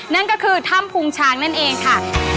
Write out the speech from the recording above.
นั่นก็คือถ้ำพุงช้างนั่นเองค่ะ